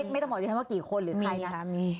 ไม่ต้องบอกดิฉันว่ากี่คนหรือใครนะคะ